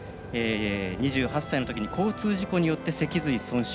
２８歳のときに交通事故によって脊髄損傷。